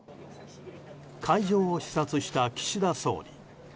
会場を視察した岸田総理。